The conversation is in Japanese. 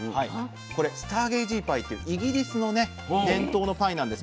これスターゲイジーパイというイギリスのね伝統のパイなんです。